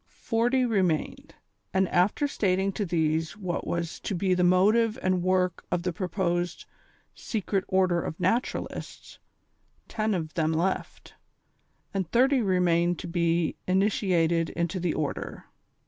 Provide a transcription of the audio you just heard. Forty remained, and after stating to these what was to be the motive and work of the proposed " Secret Order of Naturalists," ten of them left, and thirty remained to be initiated into the Order.